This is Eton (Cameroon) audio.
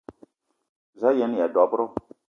Za a yen-aya dob-ro?